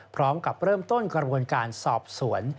พร้อมกับเริ่มต้นกระบวนการสอบสวน